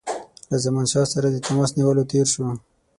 له زمانشاه سره د تماس نیولو تېر شو.